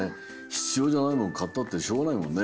ひつようじゃないものかったってしょうがないもんね。